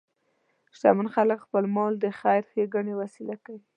شتمن خلک خپل مال د خیر ښیګڼې وسیله کوي.